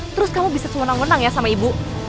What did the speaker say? terus kamu bisa semuanya menang ya sama ibu